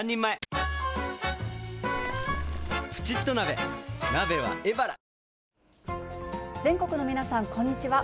「ロリエ」全国の皆さん、こんにちは。